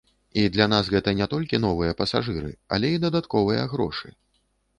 І для нас гэта не толькі новыя пасажыры, але і дадатковыя грошы.